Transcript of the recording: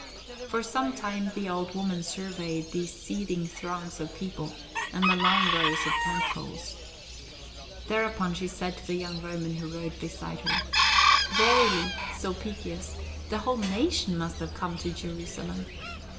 For some time the old woman surveyed these seething throngs of people and the long rows of tent poles. Thereupon she said to the young Roman who rode beside her: "Verily, Sulpicius, the whole nation must have come to Jerusalem."